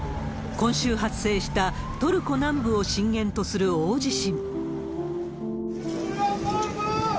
今週発生したトルコ南部を震源とする大地震。